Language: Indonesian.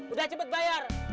udah cepet bayar